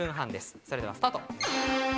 それではスタート！